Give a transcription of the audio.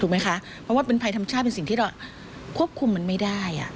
เพราะว่าเป็นภัยธรรมชาติเป็นสิ่งที่เราควบคุมมันไม่ได้